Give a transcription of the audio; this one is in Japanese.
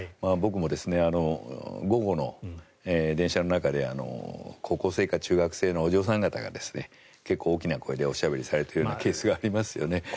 僕も午後の電車の中で高校生か中学生のお嬢さん方が結構、大きな声でおしゃべりされているケースがありますよね。